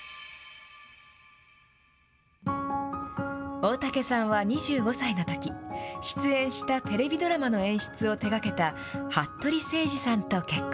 大竹さんは２５歳のとき、出演したテレビドラマの演出を手がけた、服部晴治さんと結婚。